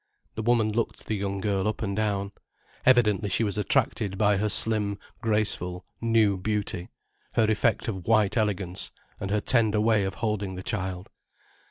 The woman looked the young girl up and down. Evidently she was attracted by her slim, graceful, new beauty, her effect of white elegance, and her tender way of holding the child.